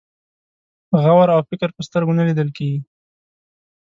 غور او فکر په سترګو نه لیدل کېږي.